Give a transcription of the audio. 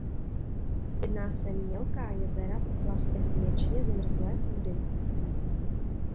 Jedná se mělká jezera v oblastech věčně zmrzlé půdy.